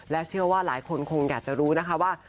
เชื่อว่าหลายคนคงอยากจะรู้นะคะว่า